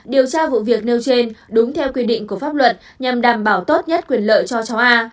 điều tra vụ việc nêu trên đúng theo quy định của pháp luật nhằm đảm bảo tốt nhất quyền lợi cho cháu a